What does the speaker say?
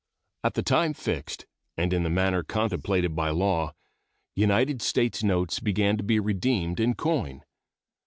At the time fixed, and in the manner contemplated by law, United States notes began to be redeemed in coin.